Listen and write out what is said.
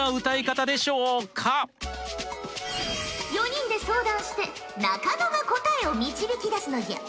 ４人で相談して中野が答えを導き出すのじゃ。